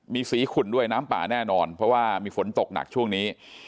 มีสีขุ่นด้วยน้ำป่าแน่นอนเพราะว่ามีฝนตกหนักช่วงนี้